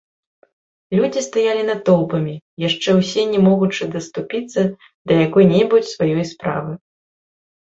Людзі стаялі натоўпамі, яшчэ ўсё не могучы даступіцца да якой-небудзь сваёй справы.